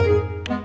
seseorang kaya gitu